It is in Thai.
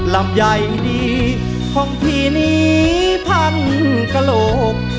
ลำไยดีของพี่นี้พันกระโหลก